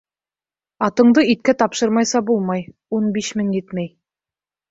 Атыңды иткә тапшырмайса булмай, ун биш мең етмәй.